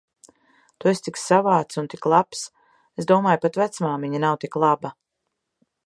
Tu esi tik savāds un tik labs. Es domāju, pat vecmāmiņa nav tik laba.